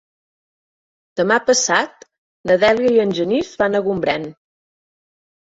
Demà passat na Dèlia i en Genís van a Gombrèn.